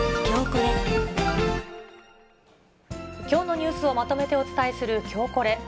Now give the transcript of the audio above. きょうのニュースをまとめてお伝えするきょうコレ。